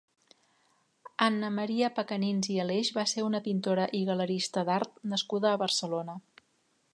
Anna Maria Pecanins i Aleix va ser una pintora i galerista d'art nascuda a Barcelona.